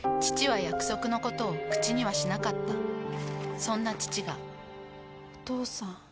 父は約束のことを口にはしなかったそんな父がお父さん。